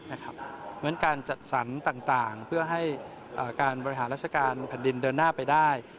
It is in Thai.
เพราะฉะนั้นการจัดสรรต่างเพื่อให้การบริหารราชการแผ่นดินเดินหน้าไปได้